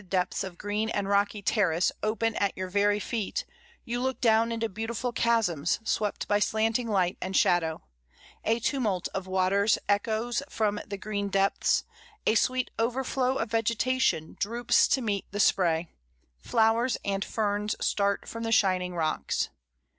25 depths of green and rocky terrace open at your very feet, you look down into beautiful chasms swept by slanting light and shadow; a tumult of waters echoes from the green depths, a sweet overflow of vegetation droops to meet the spray, flowers and ferns start from the shining rocks.